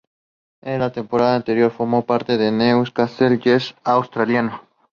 En la temporada anterior formó parte del Newcastle Jets australiano.